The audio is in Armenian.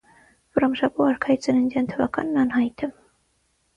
Վռամշապուհ արքայի ծննդյան թվականն անհայտ է։